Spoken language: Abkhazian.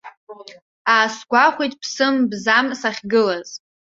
Аасгәахәит ԥсым-бзам сахьгылаз.